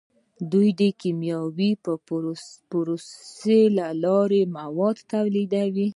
دوی د کیمیاوي پروسو له لارې مواد تولیدوي.